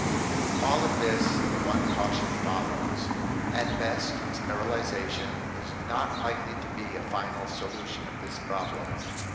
From all of this the one caution follows. At best, sterilization is not likely to be a final solution of this problem.